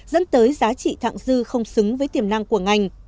dẫn tới giá trị thẳng dư không xứng với tiềm năng của ngành